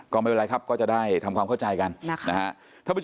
ก็ไม่เป็นไรครับก็จะได้ทำความเข้าใจกันนะครับ